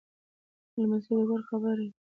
لمسی د کور خبره وي.